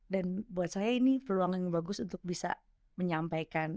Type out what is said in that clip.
dan buat saya ini peluang yang bagus untuk bisa menyampaikan